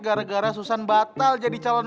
gara gara susan batal jadi calon